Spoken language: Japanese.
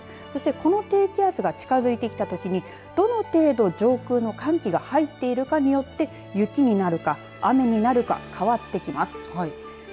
そして、この低気圧が近づいてきたときにどの程度上空の寒気が入っているかによって雪になるか、雨になるか変わってきます。